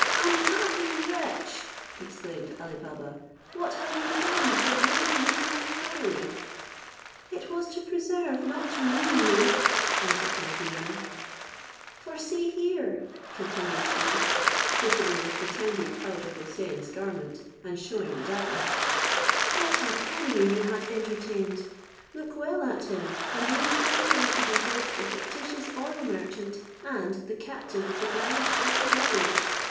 "Unhappy wretch!" exclaimed Ali Baba, "what have you done to ruin me and my family?" "It was to preserve, not to ruin you," answered Morgiana; "for see here," continued she (opening the pretended Khaujeh Houssain's garment, and shewing the dagger), "what an enemy you had entertained! Look well at him, and you will find him to be both the fictitious oil merchant, and the captain of the gang of forty robbers.